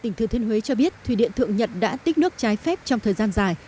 tỉnh thừa thiên huế cho biết thủy điện thượng nhật đã tích nước trái phép trong thời gian dài